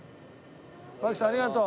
槙さんありがとう。